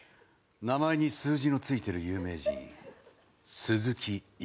名前に数字のついてる有名人鈴木一朗